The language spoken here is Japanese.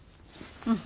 うん。